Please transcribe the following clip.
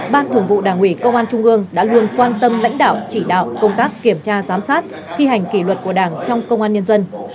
ban thường vụ đảng ủy công an trung ương đã luôn quan tâm lãnh đạo chỉ đạo công tác kiểm tra giám sát thi hành kỷ luật của đảng trong công an nhân dân